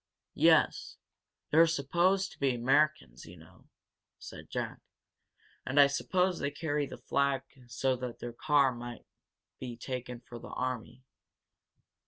"Yes, they're supposed to be Americans, you know," said Jack. "And I suppose they carry the flag so that the car won't be taken for the army.